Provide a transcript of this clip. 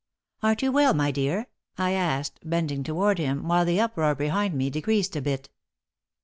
"Aren't you well, my dear?" I asked, bending toward him, while the uproar behind me decreased a bit.